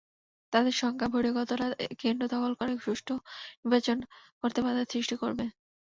তাঁদের শঙ্কা, বহিরাগতরা কেন্দ্র দখল করে সুষ্ঠু নির্বাচন করতে বাধার সৃষ্টি করবে।